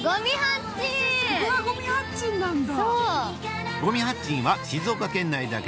ここが「五味八珍」なんだ。